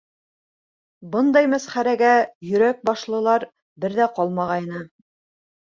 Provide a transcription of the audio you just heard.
Бындай мәсхәрәгә Йөрәк башлылар бер ҙә ҡалмағайны.